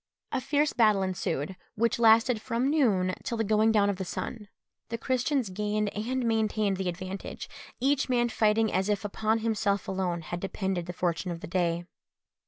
A fierce battle ensued, which lasted from noon till the going down of the sun. The Christians gained and maintained the advantage, each man fighting as if upon himself alone had depended the fortune of the day.